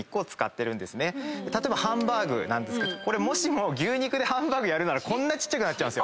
例えばハンバーグなんですけどもしも牛肉でハンバーグやるならこんなちっちゃくなっちゃう。